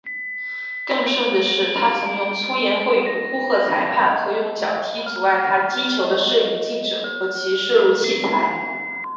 更甚的是他曾用粗言秽语呼喝裁判和用脚踢阻碍他击球的摄影记者和其摄录器材。